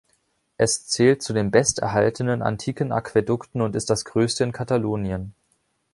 Es zählt zu den besterhaltenen antiken Aquädukten und ist das größte in Katalonien.